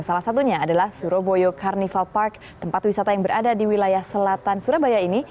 salah satunya adalah surabaya carnival park tempat wisata yang berada di wilayah selatan surabaya ini